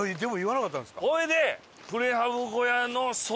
ほいで。